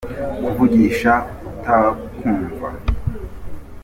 kuvugisha utakumva.